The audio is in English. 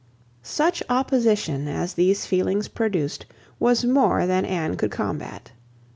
Such opposition, as these feelings produced, was more than Anne could combat.